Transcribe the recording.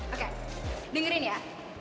oke dengerin ya